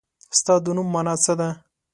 ستا د نوم مانا څه ده ؟